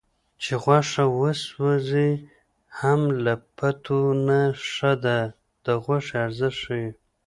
چې غوښه وسوځي هم له پیتو نه ښه ده د غوښې ارزښت ښيي